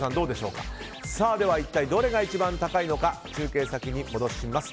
では一体どれが一番高いのか中継先に戻します。